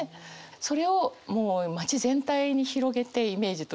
それをもう町全体に広げてイメージとして。